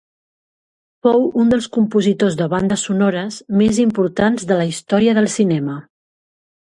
Fou un dels compositors de bandes sonores més importants de la història del cinema.